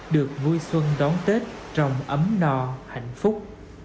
được vui xuân đón tết trong ấm no hạnh phúc